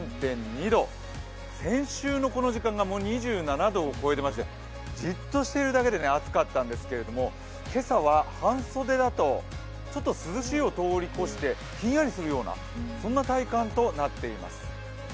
先週のこの時間がもう２７度を超えてましてじっとしているだけで暑かったんですけれども、今朝は半袖だとちょっと涼しいを通り越してひんやりするような体感となっています。